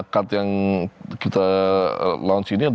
cut yang kita launch ini